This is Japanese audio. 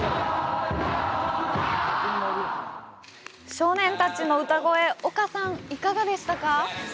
少年たちの歌声、丘さんいかがでしたか！？